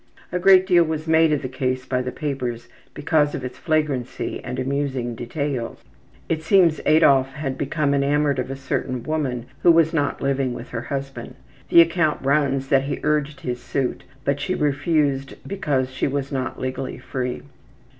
A great deal was made of the case by the papers because of its flagrancy and amusing details. It seems Adolf had become enamored of a certain woman who was not living with her husband. The account runs that he urged his suit, but she refused because she was not legally free.